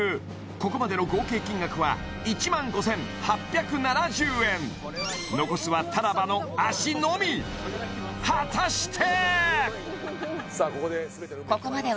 ここまでの合計金額は１５８７０円残すはタラバの脚のみ果たして！？